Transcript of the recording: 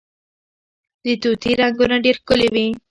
د طوطي رنګونه ډیر ښکلي وي